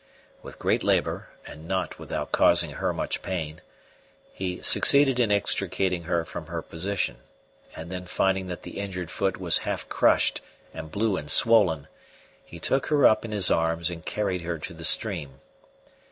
With great labour, and not without causing her much pain, he succeeded in extricating her from her position; and then finding that the injured foot was half crushed and blue and swollen, he took her up in his arms and carried her to the stream.